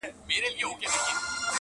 • لا تر اوسه پر کږو لارو روان یې,